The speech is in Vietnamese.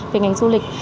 về ngành du lịch